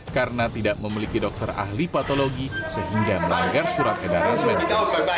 karena tidak memiliki dokter ahli patologi sehingga melanggar surat edaran medik